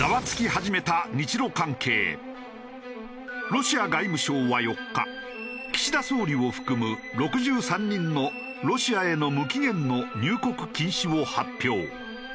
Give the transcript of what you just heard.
ロシア外務省は４日岸田総理を含む６３人のロシアへの無期限の入国禁止を発表。